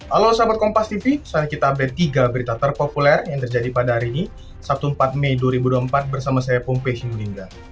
halo sahabat kompas tv selanjutnya kita update tiga berita terpopuler yang terjadi pada hari ini sabtu empat mei dua ribu dua puluh empat bersama saya pumpe sinulinga